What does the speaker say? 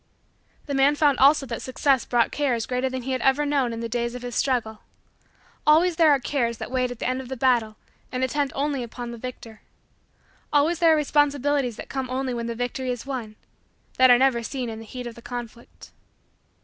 The man found also that Success brought cares greater than he had ever known in the days of his struggle. Always there are cares that wait at the end of the battle and attend only upon the victor. Always there are responsibilities that come only when the victory is won that are never seen in the heat of the conflict.